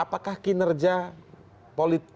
apakah kinerja politik dari atau kerja mesin politik